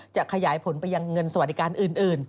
ขยายผลไปยังเงินสวัสดิการอื่น